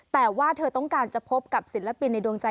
แต่ว่าเธอต้องการจะพบกับศิลปินในดวงใจ